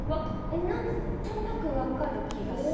何となく分かる気がする